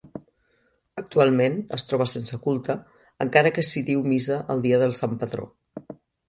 Actualment es troba sense culte, encara que s'hi diu missa el dia del sant patró.